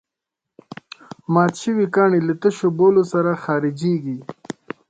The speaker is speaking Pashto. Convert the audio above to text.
مات شوي کاڼي له تشو بولو سره خارجېږي.